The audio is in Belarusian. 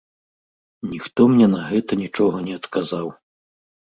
Ніхто мне на гэта нічога не адказаў.